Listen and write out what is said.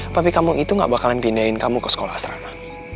tapi kamu itu gak bakalan pindahin kamu ke sekolah asrama